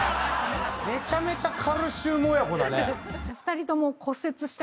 めちゃめちゃカルシウム親子だね。